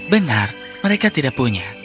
benar mereka tidak punya